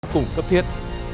cùng cấp thiết